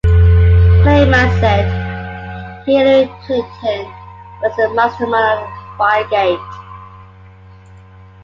Klayman said, Hillary Clinton was the mastermind of Filegate.